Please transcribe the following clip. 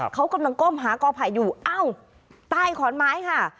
เขากำลังก้มหากอไผ่อยู่อ้าวใต้ขอนไม้ค่ะ